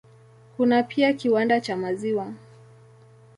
Kuna pia kiwanda cha maziwa.